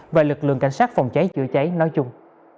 và lực lượng cảnh sát phòng cháy chữa cháy nói chung